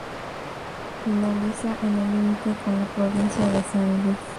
Finaliza en el límite con la Provincia de San Luis.